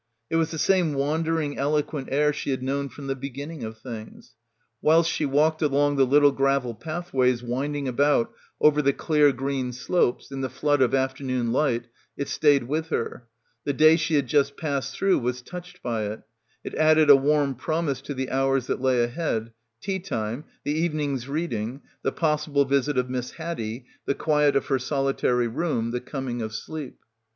It was the same wandering eloquent air she had known from the beginning of things. Whilst she walked along the little gravel pathways winding about over the clear green slopes in the flood of afternoon light it stayed with her. The day she had just passed through was touched by it; it added a warm promise to the hours that lay ahead — tea time, the evening's reading, the possible visit of Miss Haddie, the quiet of her solitary room, the coming of sleep.